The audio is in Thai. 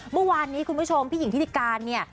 เมื่อวานนี้คุณผู้ชมพี่หญิงทิติการเนี่ย